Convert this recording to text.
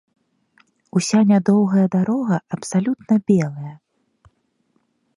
Уся нядоўгая дарога абсалютна белая.